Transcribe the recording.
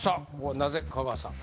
なぜ香川さん？